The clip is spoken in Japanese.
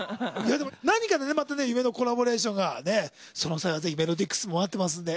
でも何かでねまた夢のコラボレーションがねその際はぜひ「ＭｅｌｏｄｉＸ！」も待ってますんで。